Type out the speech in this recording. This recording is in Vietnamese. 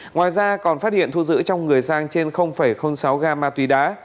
ngoài ra còn phát hiện thu giữ trong người sang trên sáu ga ma túy đá